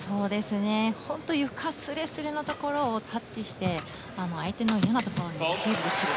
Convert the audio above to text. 本当に床すれすれのところをタッチして、相手の嫌なところにレシーブできる。